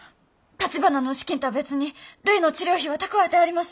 たちばなの資金とは別にるいの治療費は蓄えてあります。